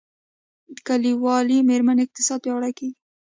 د کلیوالي میرمنو اقتصاد پیاوړی کیږي